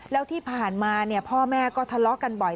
แล้วที่ผ่านมาพ่อแม่ก็ทะเลาะกันบ่อย